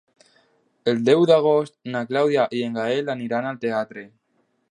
El deu d'agost na Clàudia i en Gaël aniran al teatre.